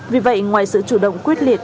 vì vậy ngoài sự chủ động quyết liệt